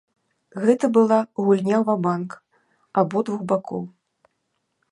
Гэта была гульня ва-банк абодвух бакоў.